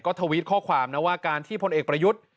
ทวิตข้อความนะว่าการที่พลเอกประยุทธ์